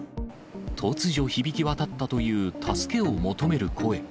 突如響き渡ったという助けを求める声。